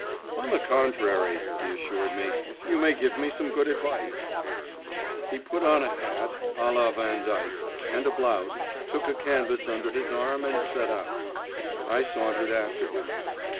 'On the contrary,' he assured me; 'you may give me some good advice.' He put on a hat à la Vandyck, and a blouse, took a canvas under his arm, and set out; I sauntered after him.